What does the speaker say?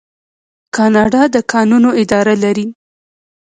کاناډا د کانونو اداره لري.